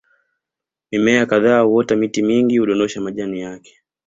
Mimea kadhaa huota miti mingi hudondosha majani yake